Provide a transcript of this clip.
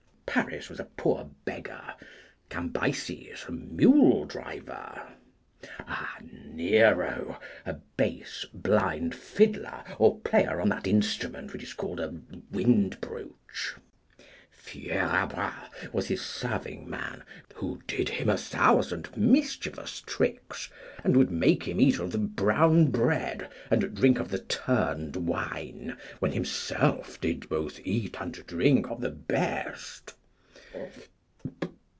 Paris was a poor beggar. Cambyses, a mule driver. Nero, a base blind fiddler, or player on that instrument which is called a windbroach. Fierabras was his serving man, who did him a thousand mischievous tricks, and would make him eat of the brown bread and drink of the turned wine when himself did both eat and drink of the best.